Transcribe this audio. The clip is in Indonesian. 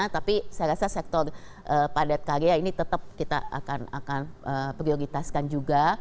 tapi saya rasa sektor padat karya ini tetap kita akan prioritaskan juga